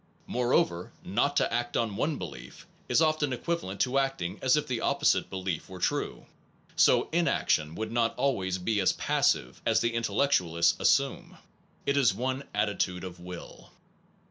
Moreover, not to act on one belief, is often equivalent to acting as if the opposite belief were true, so inaction would not always be as passive* as the intellectualists as sume. It is one attitude of will.